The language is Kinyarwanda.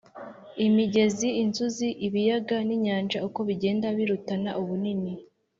imigezi, inzuzi, ibiyaga n’inyanja uko bigenda birutana ubunini